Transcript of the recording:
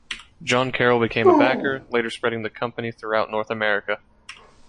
John Carrol became a backer, later spreading the company throughout North America.